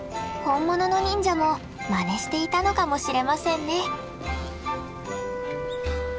本物の忍者もまねしていたのかもしれませんね。